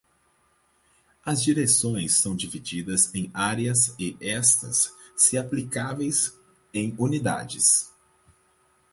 As direções são divididas em áreas, e estas, se aplicáveis, em unidades.